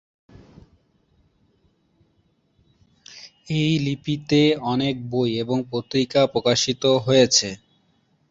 এই লিপিতে অনেক বই এবং পত্রিকা প্রকাশিত হয়েছে।